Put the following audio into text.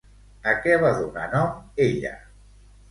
A què va donar nom ella?